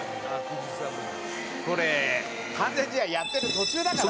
「これ完全試合やってる途中だからね」